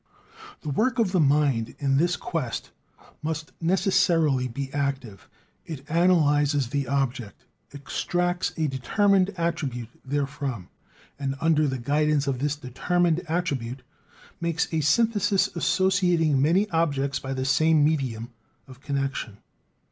The work of the mind in this quest must necessarily be active; it analyzes the object, extracts a determined attribute therefrom, and under the guidance of this determined attribute makes a synthesis associating many objects by the same medium of connection.